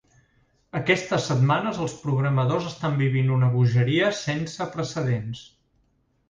Aquestes setmanes els programadors estan vivint una bogeria sense precedents.